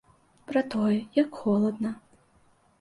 Пра тое, як холадна.